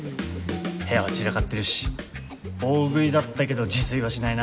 部屋は散らかってるし大食いだったけど自炊はしないな。